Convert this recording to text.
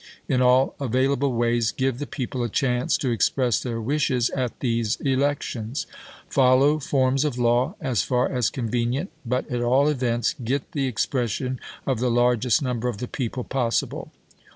In all available ways give the people a chance to express their wishes at these elections. Fol low forms of law as far as convenient, but at all events get the expression of the largest number of the people possible.